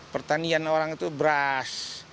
pertanian orang itu beras